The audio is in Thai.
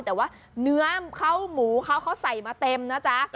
แต่ว่าเนื้อข้าวหมูเขาเขาใส่มาเต็มนะจ๊ะ